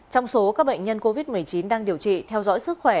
trong số các bệnh nhân covid một mươi chín đang điều trị theo dõi sức khỏe